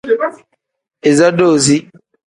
Iza doozi.